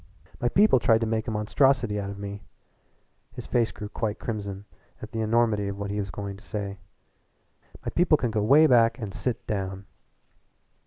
"My people tried to make a monstrosity out of me." His face grew quite crimson at the enormity of what he was going to say. "My people can go way back and sit down!"